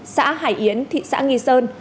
xã hải yến thị xã nghi sơn